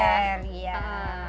masakan asam pedas ikan tapah